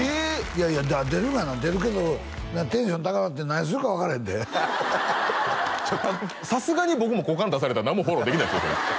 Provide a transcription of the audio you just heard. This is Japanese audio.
いやいや出るがな出るけどテンション高なって何するか分からへんでさすがに僕も股間出されたら何もフォローできないです